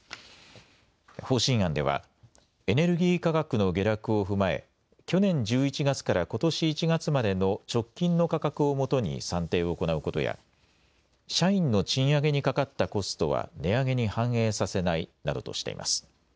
方針案ではエネルギー価格の下落を踏まえ去年１１月からことし１月までの直近の価格をもとに算定を行うことや社員の賃上げにかかったコストは値上げに反映させないなどとしています。